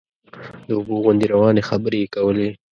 د اوبو غوندې روانې خبرې یې کولې.